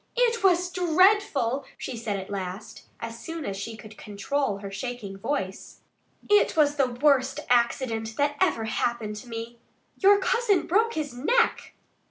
"It was dreadful!" she said at last, as soon as she could control her shaking voice. "It was the worst accident that ever happened to me. ... Your cousin broke his neck!"